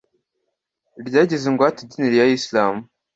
ryagize ingwate idini ya Islam